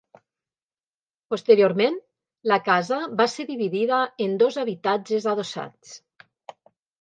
Posteriorment la casa va ser dividida en dos habitatges adossats.